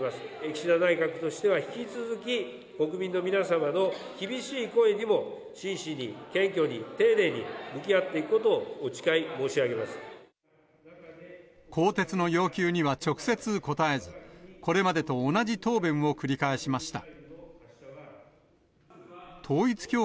岸田内閣としては引き続き、国民の皆様の厳しい声にも真摯に謙虚に、丁寧に向き合っていくこ更迭の要求には直接答えず、これまでと同じ答弁を繰り返しました。